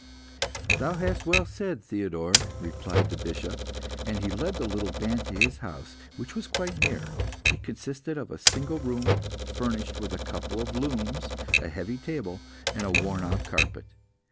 "Thou hast well said, Theodore," replied the Bishop, and he led the little band to his house, which was quite near. It consisted of a single room, furnished with a couple of looms, a heavy table, and a worn out carpet.